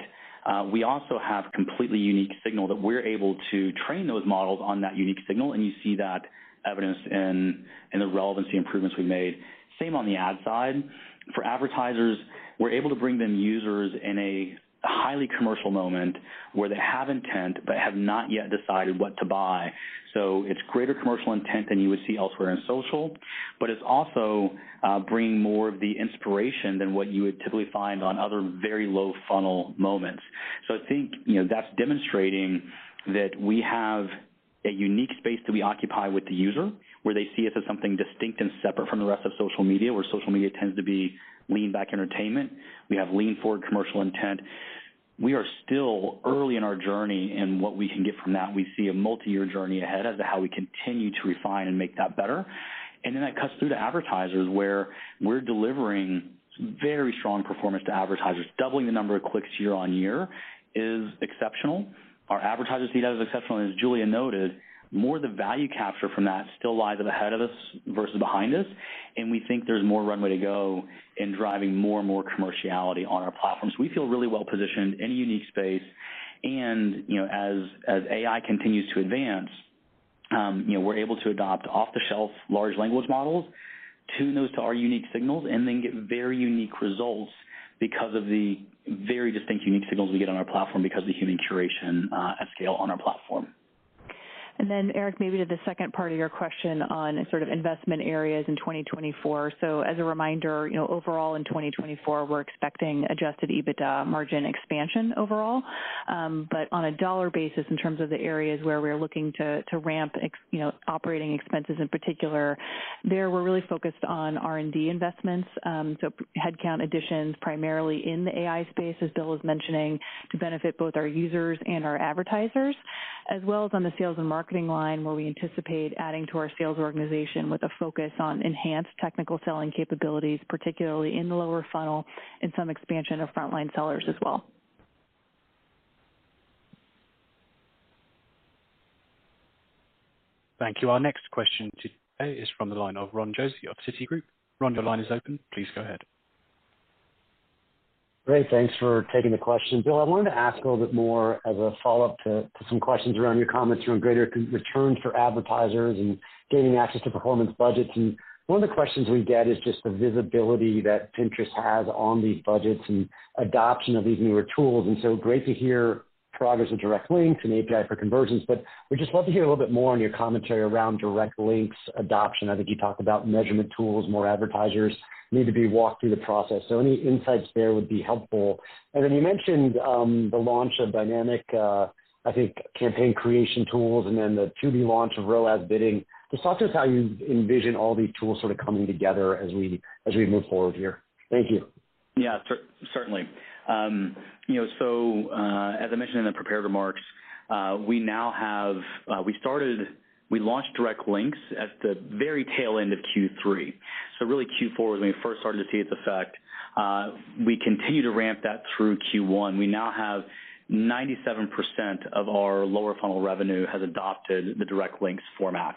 we also have completely unique signal that we're able to train those models on that unique signal, and you see that evidenced in the relevancy improvements we made. Same on the ad side. For advertisers, we're able to bring them users in a highly commercial moment where they have intent, but have not yet decided what to buy. So it's greater commercial intent than you would see elsewhere in social, but it's also bringing more of the inspiration than what you would typically find on other very low funnel moments. So I think, you know, that's demonstrating that we have a unique space that we occupy with the user, where they see us as something distinct and separate from the rest of social media, where social media tends to be lean back entertainment. We have lean forward commercial intent. We are still early in our journey in what we can get from that. We see a multiyear journey ahead as to how we continue to refine and make that better. And then that cuts through to advertisers, where we're delivering very strong performance to advertisers. Doubling the number of clicks year-on-year is exceptional. Our advertisers see that as exceptional. As Julia noted, more of the value capture from that still lies ahead of us versus behind us, and we think there's more runway to go in driving more and more commerciality on our platforms. We feel really well positioned in a unique space, and you know, as AI continues to advance, you know, we're able to adopt off-the-shelf large language models, tune those to our unique signals, and then get very unique results because of the very distinct unique signals we get on our platform because of the human curation at scale on our platform. And then, Eric, maybe to the second part of your question on sort of investment areas in 2024. So as a reminder, you know, overall in 2024, we're expecting Adjusted EBITDA margin expansion overall. But on a dollar basis, in terms of the areas where we're looking to ramp, you know, operating expenses in particular, there, we're really focused on R&D investments. So headcount additions, primarily in the AI space, as Bill was mentioning, to benefit both our users and our advertisers, as well as on the sales and marketing line, where we anticipate adding to our sales organization with a focus on enhanced technical selling capabilities, particularly in the lower funnel and some expansion of frontline sellers as well. Thank you. Our next question today is from the line of Ron Josey of Citigroup. Ron, your line is open. Please go ahead. Great, thanks for taking the question. Bill, I wanted to ask a little bit more as a follow-up to, to some questions around your comments around greater conversion returns for advertisers and gaining access to performance budgets. And one of the questions we get is just the visibility that Pinterest has on these budgets and adoption of these newer tools. And so great to hear progress with direct links and API for Conversions, but we'd just love to hear a little bit more on your commentary around direct links adoption. I think you talked about measurement tools, more advertisers need to be walked through the process, so any insights there would be helpful. And then you mentioned, the launch of dynamic, I think, campaign creation tools and then the to-be launch of ROAS bidding. Just talk to us how you envision all these tools sort of coming together as we, as we move forward here. Thank you. Yeah, certainly. You know, so as I mentioned in the prepared remarks, we launched Direct Links at the very tail end of Q3. So really, Q4 was when we first started to see its effect. We continue to ramp that through Q1. We now have 97% of our lower funnel revenue has adopted the Direct Links format.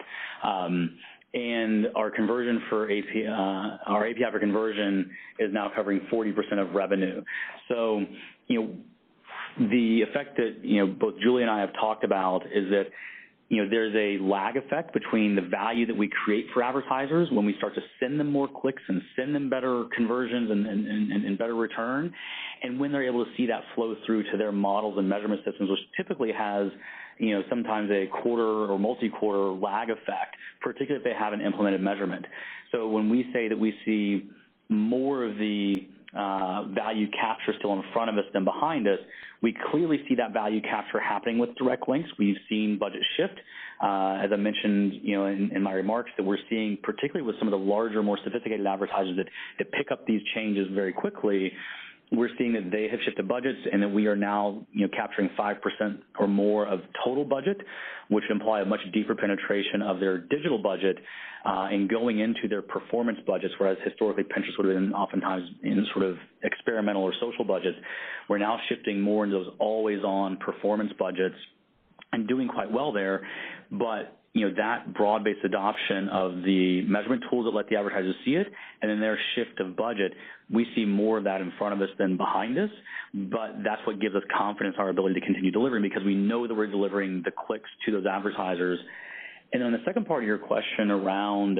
And our API for Conversions is now covering 40% of revenue. So, you know, the effect that, you know, both Julia and I have talked about is that, you know, there's a lag effect between the value that we create for advertisers when we start to send them more clicks and send them better conversions and better return. When they're able to see that flow through to their models and measurement systems, which typically has, you know, sometimes a quarter or multi-quarter lag effect, particularly if they haven't implemented measurement. When we say that we see more of the value capture still in front of us than behind us, we clearly see that value capture happening with direct links. We've seen budget shift, as I mentioned, you know, in my remarks, that we're seeing, particularly with some of the larger, more sophisticated advertisers that pick up these changes very quickly. We're seeing that they have shifted budgets and that we are now, you know, capturing 5% or more of total budget, which imply a much deeper penetration of their digital budget and going into their performance budgets. Whereas historically, Pinterest would have been oftentimes in sort of experimental or social budgets, we're now shifting more into those always-on performance budgets and doing quite well there. But, you know, that broad-based adoption of the measurement tools that let the advertisers see it and then their shift of budget, we see more of that in front of us than behind us. But that's what gives us confidence in our ability to continue delivering, because we know that we're delivering the clicks to those advertisers. And then the second part of your question around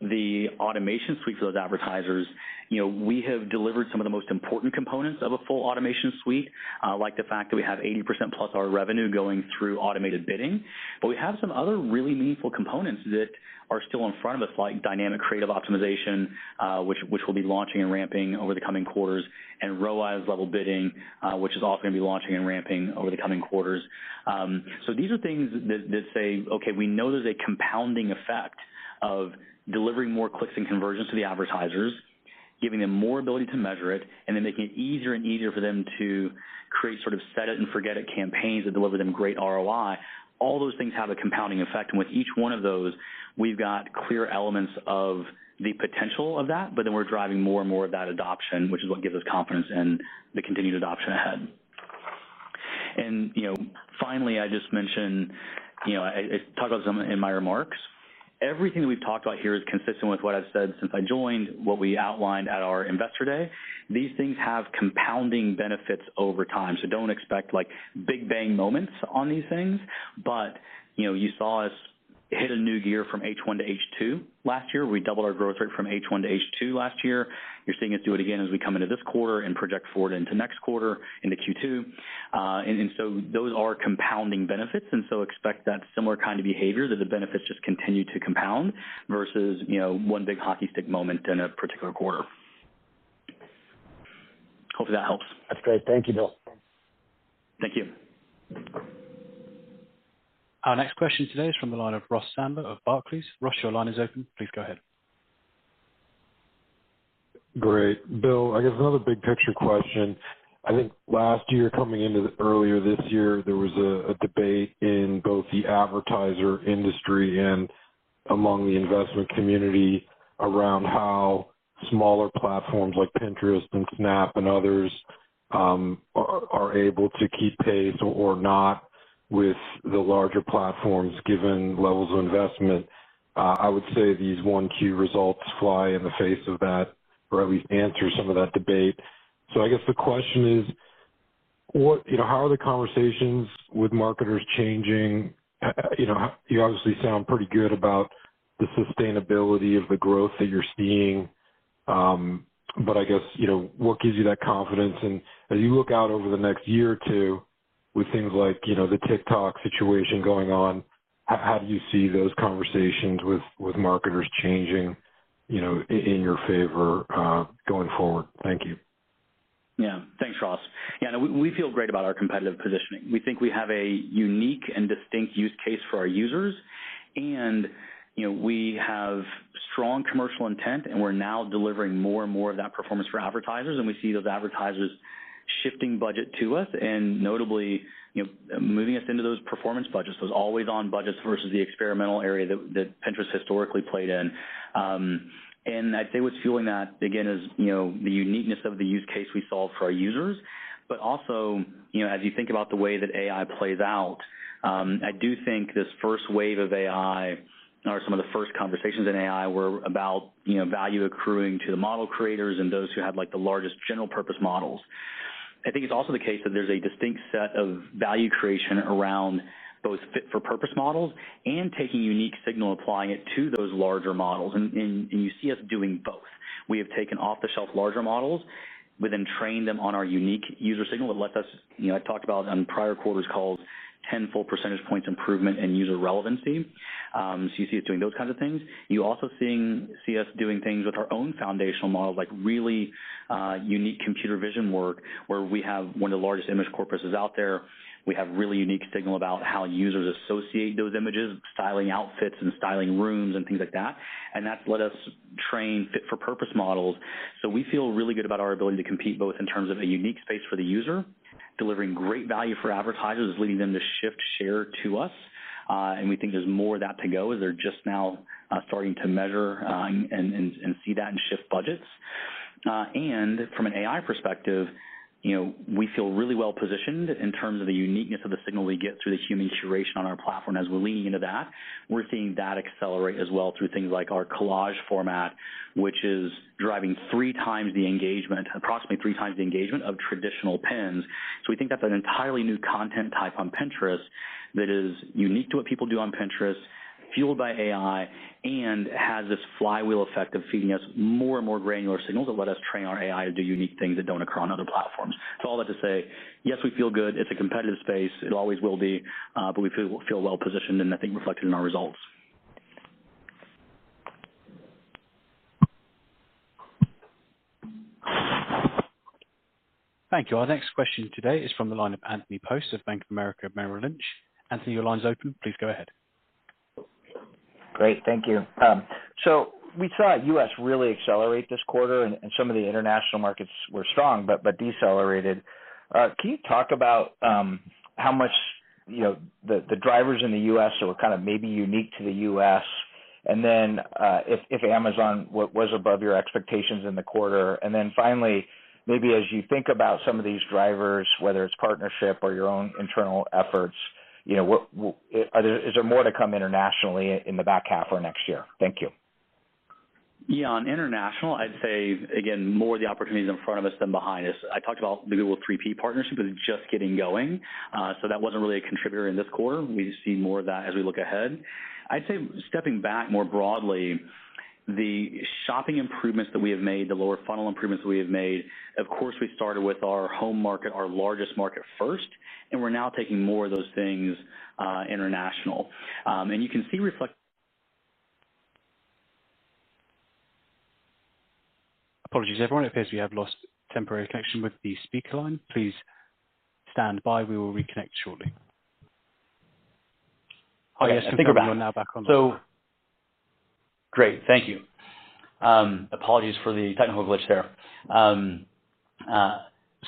the automation suite for those advertisers, you know, we have delivered some of the most important components of a full automation suite, like the fact that we have 80% of our revenue going through automated bidding. But we have some other really meaningful components that are still in front of us, like dynamic creative optimization, which we'll be launching and ramping over the coming quarters, and ROAS-level bidding, which is also gonna be launching and ramping over the coming quarters. So these are things that say, "Okay, we know there's a compounding effect of delivering more clicks and conversions to the advertisers, giving them more ability to measure it, and then making it easier and easier for them to create sort of set it and forget it campaigns that deliver them great ROI." All those things have a compounding effect, and with each one of those, we've got clear elements of the potential of that, but then we're driving more and more of that adoption, which is what gives us confidence in the continued adoption ahead. You know, finally, I just mentioned, you know, I talked about some in my remarks, everything we've talked about here is consistent with what I've said since I joined, what we outlined at our Investor Day. These things have compounding benefits over time, so don't expect, like, big bang moments on these things. You know, you saw us hit a new gear from H1 to H2 last year. We doubled our growth rate from H1 to H2 last year. You're seeing us do it again as we come into this quarter and project forward into next quarter, into Q2. And so those are compounding benefits, and so expect that similar kind of behavior, that the benefits just continue to compound versus, you know, one big hockey stick moment in a particular quarter. Hopefully, that helps. That's great. Thank you, Bill. Thank you. Our next question today is from the line of Ross Sandler of Barclays. Ross, your line is open. Please go ahead. Great. Bill, I guess another big-picture question. I think last year, coming into earlier this year, there was a debate in both the advertiser industry and among the investment community around how smaller platforms like Pinterest and Snap and others are able to keep pace or not with the larger platforms, given levels of investment. I would say these 1Q results fly in the face of that, or at least answer some of that debate. So I guess the question is. What, you know, how are the conversations with marketers changing? You know, you obviously sound pretty good about the sustainability of the growth that you're seeing, but I guess, you know, what gives you that confidence? As you look out over the next year or two with things like, you know, the TikTok situation going on, how do you see those conversations with marketers changing, you know, in your favor, going forward? Thank you. Yeah. Thanks, Ross. Yeah, no, we feel great about our competitive positioning. We think we have a unique and distinct use case for our users. And, you know, we have strong commercial intent, and we're now delivering more and more of that performance for advertisers, and we see those advertisers shifting budget to us, and notably, you know, moving us into those performance budgets, those always on budgets versus the experimental area that Pinterest historically played in. And I'd say what's fueling that, again, is, you know, the uniqueness of the use case we solve for our users. But also, you know, as you think about the way that AI plays out, I do think this first wave of AI, or some of the first conversations in AI, were about, you know, value accruing to the model creators and those who had, like, the largest general purpose models. I think it's also the case that there's a distinct set of value creation around both fit for purpose models and taking unique signal, applying it to those larger models. And, and, and you see us doing both. We have taken off the shelf larger models. We then train them on our unique user signal that lets us, you know, I talked about on prior quarters calls, 10 full percentage points improvement in user relevancy. So you see us doing those kinds of things. You also see us doing things with our own foundational models, like really unique computer vision work, where we have one of the largest image corpuses out there. We have really unique signal about how users associate those images, styling outfits and styling rooms and things like that, and that's let us train fit for purpose models. So we feel really good about our ability to compete, both in terms of a unique space for the user, delivering great value for advertisers, is leading them to shift share to us. And we think there's more of that to go, as they're just now starting to measure and see that and shift budgets. And from an AI perspective, you know, we feel really well positioned in terms of the uniqueness of the signal we get through the human curation on our platform. As we're leaning into that, we're seeing that accelerate as well through things like our Collage format, which is driving three times the engagement, approximately three times the engagement of traditional pins. So we think that's an entirely new content type on Pinterest that is unique to what people do on Pinterest, fueled by AI, and has this flywheel effect of feeding us more and more granular signals that let us train our AI to do unique things that don't occur on other platforms. So all that to say, yes, we feel good. It's a competitive space, it always will be, but we feel, feel well positioned, and I think reflected in our results. Thank you. Our next question today is from the line of Justin Post of Bank of America Merrill Lynch. Justin, your line's open. Please go ahead. Great, thank you. So we saw US really accelerate this quarter and some of the international markets were strong but decelerated. Can you talk about how much, you know, the drivers in the US that were kind of maybe unique to the US? And then, if Amazon was above your expectations in the quarter. And then finally, maybe as you think about some of these drivers, whether it's partnership or your own internal efforts, you know, is there more to come internationally in the back half or next year? Thank you. Yeah, on international, I'd say again, more of the opportunities in front of us than behind us. I talked about the Google 3P partnership, that is just getting going. So that wasn't really a contributor in this quarter. We see more of that as we look ahead. I'd say stepping back more broadly, the shopping improvements that we have made, the lower funnel improvements we have made, of course, we started with our home market, our largest market first, and we're now taking more of those things international. And you can see reflect Apologies, everyone. It appears we have lost temporary connection with the speaker line. Please stand by. We will reconnect shortly. Oh, yes, I think we're back. We're now back on the line. Great, thank you. Apologies for the technical glitch there.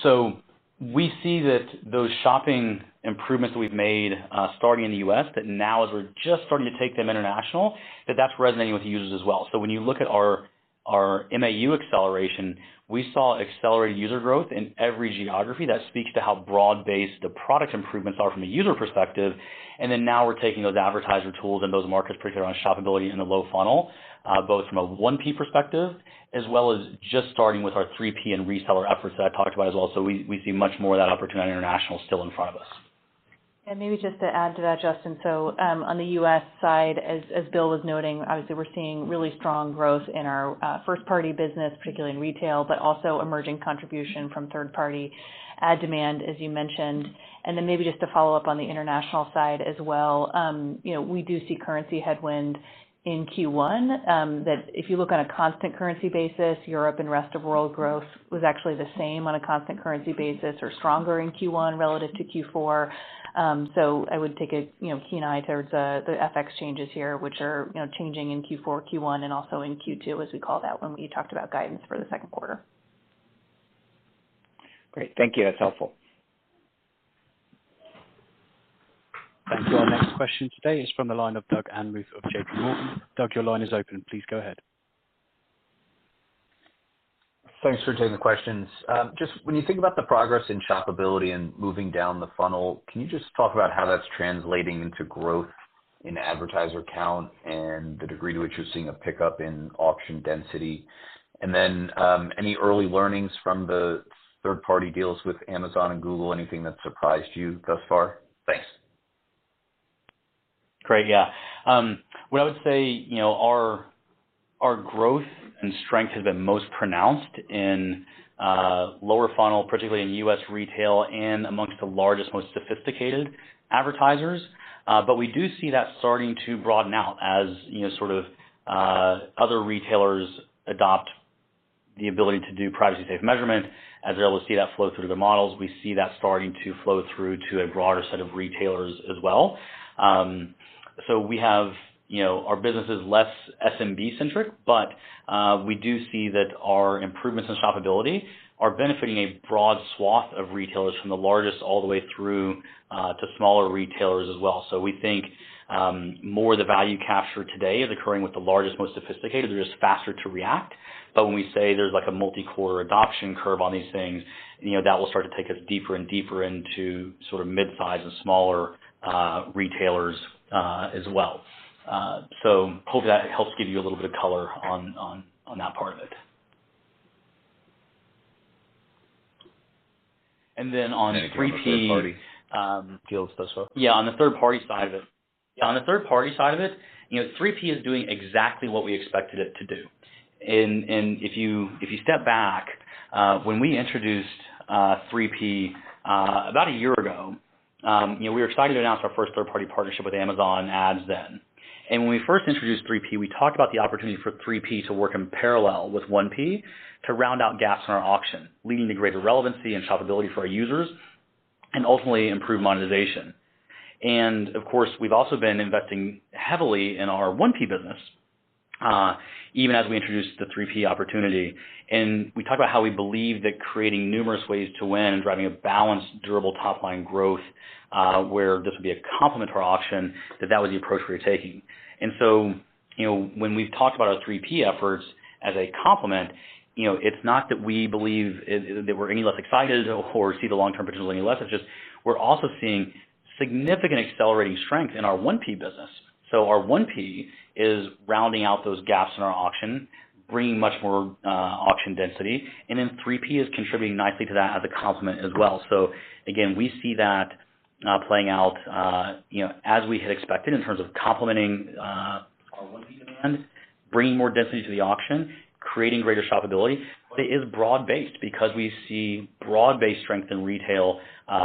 So we see that those shopping improvements we've made, starting in the US, that now as we're just starting to take them international, that's resonating with the users as well. So when you look at our MAU acceleration, we saw accelerated user growth in every geography. That speaks to how broad-based the product improvements are from a user perspective. And then now we're taking those advertiser tools and those markets, particularly around shoppability in the low funnel, both from a 1P perspective as well as just starting with our 3P and reseller efforts that I talked about as well. So we see much more of that opportunity international still in front of us. And maybe just to add to that, Justin, so, on the US side, as Bill was noting, obviously, we're seeing really strong growth in our first-party business, particularly in retail, but also emerging contribution from third-party ad demand, as you mentioned. And then maybe just to follow up on the international side as well, you know, we do see currency headwind in Q1. That if you look on a constant currency basis, Europe and rest of world growth was actually the same on a constant currency basis or stronger in Q1 relative to Q4. So I would take a, you know, keen eye towards the FX changes here, which are, you know, changing in Q4, Q1, and also in Q2, as we called out when we talked about guidance for the second quarter. Great. Thank you. That's helpful. Thank you. Our next question today is from the line of Doug Anmuth of JPMorgan. Doug, your line is open. Please go ahead. Thanks for taking the questions. Just when you think about the progress in shoppability and moving down the funnel, can you just talk about how that's translating into growth? In advertiser count and the degree to which you're seeing a pickup in auction density. And then, any early learnings from the third-party deals with Amazon and Google? Anything that surprised you thus far? Thanks. Great, yeah. What I would say, you know, our, our growth and strength has been most pronounced in lower funnel, particularly in US retail and amongst the largest, most sophisticated advertisers. But we do see that starting to broaden out, as, you know, sort of, other retailers adopt the ability to do privacy-safe measurement. As they're able to see that flow through the models, we see that starting to flow through to a broader set of retailers as well. So we have, you know, our business is less SMB-centric, but, we do see that our improvements in shoppability are benefiting a broad swath of retailers, from the largest all the way through, to smaller retailers as well. So we think, more the value captured today is occurring with the largest, most sophisticated. They're just faster to react. But when we say there's like a multi-core adoption curve on these things, you know, that will start to take us deeper and deeper into sort of mid-size and smaller retailers, so hope that helps give you a little bit of color on that part of it. And then on 3P. Anything on the third-party deals thus far? Yeah, on the third-party side of it. Yeah, on the third-party side of it, you know, 3P is doing exactly what we expected it to do. And, and if you, if you step back, when we introduced 3P about a year ago, you know, we were excited to announce our first third-party partnership with Amazon Ads then. And when we first introduced 3P, we talked about the opportunity for 3P to work in parallel with 1P to round out gaps in our auction, leading to greater relevancy and shoppability for our users, and ultimately, improve monetization. And of course, we've also been investing heavily in our 1P business, even as we introduced the 3P opportunity. And we talked about how we believe that creating numerous ways to win, driving a balanced, durable top line growth, where this would be a complement to our auction, that that was the approach we were taking. And so, you know, when we've talked about our 3P efforts as a complement, you know, it's not that we believe it, that we're any less excited or see the long-term potential any less, it's just we're also seeing significant accelerating strength in our 1P business. So our 1P is rounding out those gaps in our auction, bringing much more auction density, and then 3P is contributing nicely to that as a complement as well. So again, we see that playing out, you know, as we had expected in terms of complementing our 1P demand, bringing more density to the auction, creating greater shoppability. It is broad-based because we see broad-based strength in retail,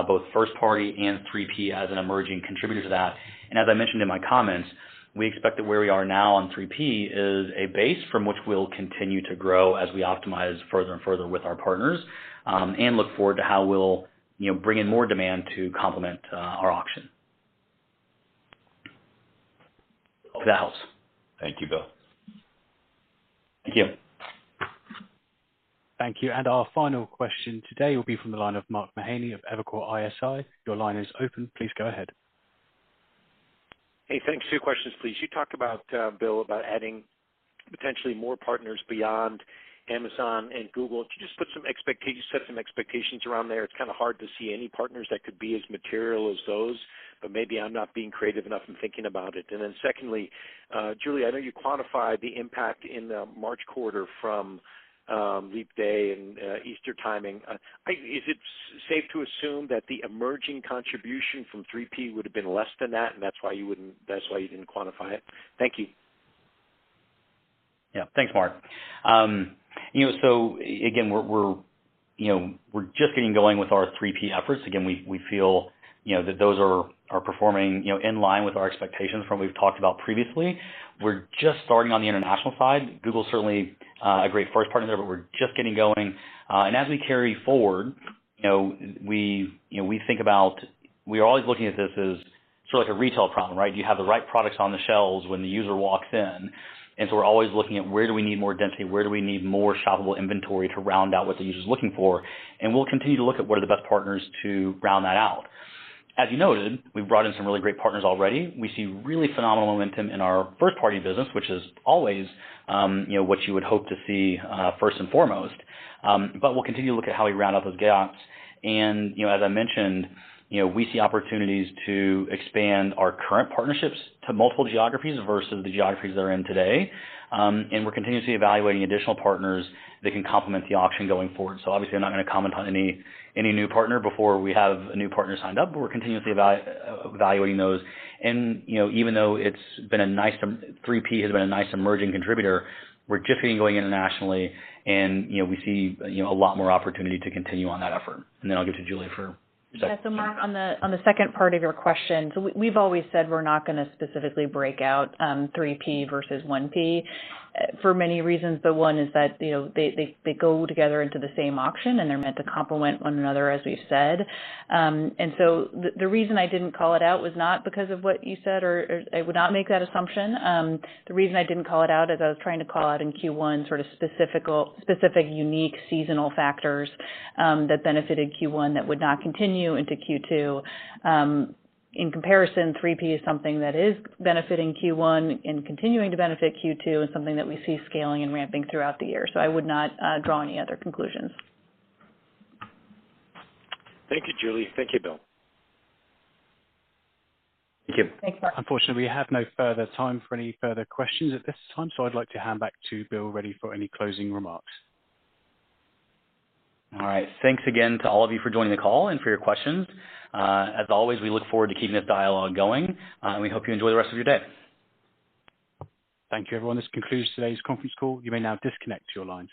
both first party and 3P as an emerging contributor to that. And as I mentioned in my comments, we expect that where we are now on 3P is a base from which we'll continue to grow as we optimize further and further with our partners, and look forward to how we'll, you know, bring in more demand to complement, our auction. Hope that helps. Thank you, Bill. Thank you. Thank you, and our final question today will be from the line of Mark Mahaney of Evercore ISI. Your line is open. Please go ahead. Hey, thanks. Two questions, please. You talked about, Bill, about adding potentially more partners beyond Amazon and Google. Could you just set some expectations around there? It's kind of hard to see any partners that could be as material as those, but maybe I'm not being creative enough in thinking about it. And then secondly, Julia, I know you quantified the impact in the March quarter from Leap Day and Easter timing. Is it safe to assume that the emerging contribution from 3P would have been less than that, and that's why you didn't quantify it? Thank you. Yeah. Thanks, Mark. You know, so again, we're just getting going with our 3P efforts. Again, we feel, you know, that those are performing, you know, in line with our expectations from what we've talked about previously. We're just starting on the international side. Google's certainly a great first partner there, but we're just getting going. And as we carry forward, you know, we think about. We're always looking at this as sort of like a retail problem, right? Do you have the right products on the shelves when the user walks in? And so we're always looking at where do we need more density? Where do we need more shoppable inventory to round out what the user's looking for? And we'll continue to look at what are the best partners to round that out. As you noted, we've brought in some really great partners already. We see really phenomenal momentum in our first-party business, which is always, you know, what you would hope to see, first and foremost. But we'll continue to look at how we round out those gaps. And, you know, as I mentioned, you know, we see opportunities to expand our current partnerships to multiple geographies versus the geographies they're in today. And we're continuously evaluating additional partners that can complement the auction going forward. So obviously, I'm not gonna comment on any, any new partner before we have a new partner signed up, but we're continuously evaluating those. And, you know, even though 3P has been a nice emerging contributor, we're just getting going internationally, and, you know, we see, you know, a lot more opportunity to continue on that effort. And then I'll give to Julia for a second. Yeah, so Mark, on the second part of your question, so we, we've always said we're not gonna specifically break out 3P versus 1P for many reasons, but one is that, you know, they go together into the same auction, and they're meant to complement one another, as we've said. And so the reason I didn't call it out was not because of what you said, or I would not make that assumption. The reason I didn't call it out, as I was trying to call out in Q1, sort of specific, unique seasonal factors that benefited Q1 that would not continue into Q2. In comparison, 3P is something that is benefiting Q1 and continuing to benefit Q2, and something that we see scaling and ramping throughout the year. So I would not draw any other conclusions. Thank you, Julia. Thank you, Bill. Thank you. Thanks, Mark. Unfortunately, we have no further time for any further questions at this time, so I'd like to hand back to Bill Ready for any closing remarks. All right. Thanks again to all of you for joining the call and for your questions. As always, we look forward to keeping this dialogue going, and we hope you enjoy the rest of your day. Thank you, everyone. This concludes today's conference call. You may now disconnect your lines.